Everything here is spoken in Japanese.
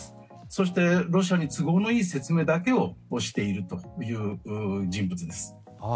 そして、ロシアに都合のいい説明だけをしているという人物です。